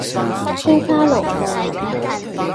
天花龍鳳